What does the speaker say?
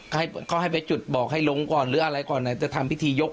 เขาให้ไปจุดบอกให้ลงก่อนหรืออะไรก่อนไหนจะทำพิธียก